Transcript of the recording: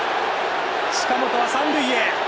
近本は三塁へ。